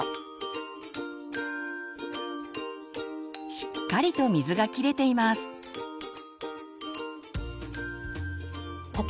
しっかりと水が切れています。